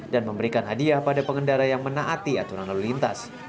dan memberikan hadiah pada pengendara yang menaati aturan lalu lintas